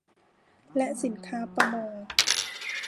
และสินค้าประมง